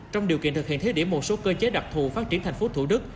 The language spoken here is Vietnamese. trong điều kiện thực hiện thiết địa một số cơ chế đặc thù phát triển thành phố thủ đức